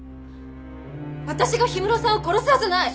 私が氷室さんを殺すはずない！